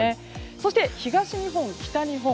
そして、東日本、北日本。